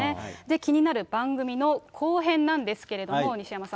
気になる番組の後編なんですけれども、西山さん。